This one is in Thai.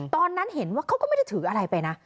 ตอนนั้นเห็นว่าเขาก็ไม่ได้ถืออะไรไปนะ